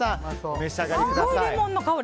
お召し上がりください。